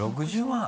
５６０万。